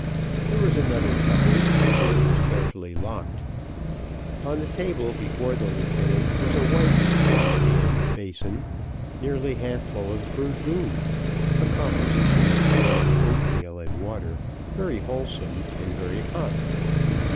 There was another cupboard, but it was carefully locked. On the table before the lieutenant was a white wash hand basin, nearly half full of burgoo, a composition of boiled oatmeal and water, very wholesome, and very hot.